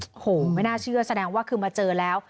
โอ้โหไม่น่าเชื่อแสดงว่าคือมาเจอแล้ว